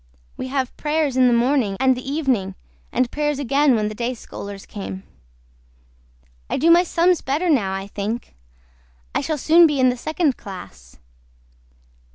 WE HAVE PRAYERS IN THE MORNING AND THE EVENING AND PRAYERS AGAIN WHEN THE DAY SCHOLERS COME. I DO MY SUMS BETTER NOW I THINK I SHALL SOON BE IN THE SECOND CLASS.